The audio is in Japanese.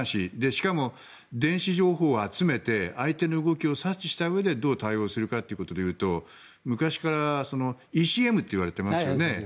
しかも、電子情報を集めて相手の動きを察知したうえでどう対応するかということでいうと昔からＥＣＭと言われていますよね。